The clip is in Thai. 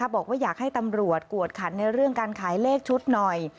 บอกว่าอยากให้ตำรวจกวดขันในเรื่องการขายเลขชุดหน่อย